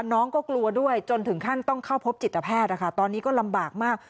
น้องก็กลัวด้วยจนถึงขั้นต้องเข้าพบจิตแพทย์นะคะตอนนี้ก็ลำบากมาก